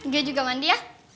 gue juga mandi ya